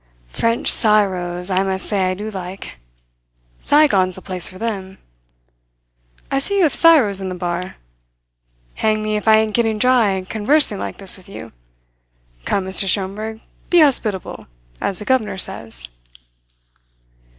"French siros I must say I do like. Saigon's the place for them. I see you have siros in the bar. Hang me if I ain't getting dry, conversing like this with you. Come, Mr. Schomberg, be hospitable, as the governor says."